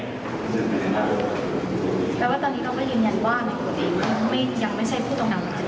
แต่ว่าตอนนี้เขาก็ยืนยันว่าในปกติยังไม่ใช่ผู้ต้องหา